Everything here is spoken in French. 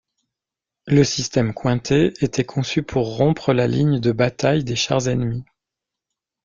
Le système Cointet était conçu pour rompre la ligne de bataille des chars ennemis.